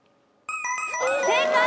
正解。